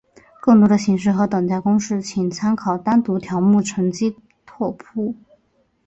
更多的形式和等价公式请参见单独条目乘积拓扑。